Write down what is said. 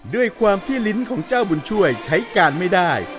ด้วยความที่ลิ้นของเจ้าบุญช่วยใช้การไม่ได้